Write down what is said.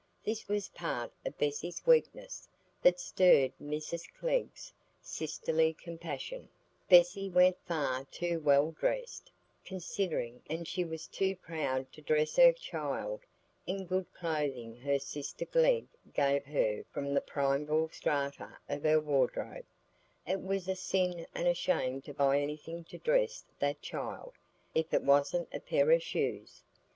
This was part of Bessy's weakness that stirred Mrs Glegg's sisterly compassion: Bessy went far too well dressed, considering; and she was too proud to dress her child in the good clothing her sister Glegg gave her from the primeval strata of her wardrobe; it was a sin and a shame to buy anything to dress that child, if it wasn't a pair of shoes.